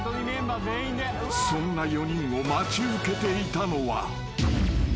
［そんな４人を待ち受けていたのは］